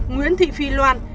nguyễn thị phi loan